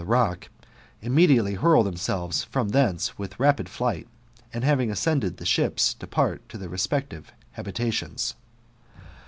th^ rock, immediately hurl themselves from thence with lapid fligTkt, and, having ascended the ships, depart to their Respective habitations.